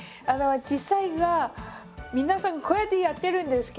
実際は皆さんこうやってやってるんですけど。